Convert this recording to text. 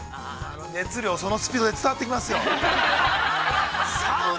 ◆熱量、そのスピードで伝わってきますよ。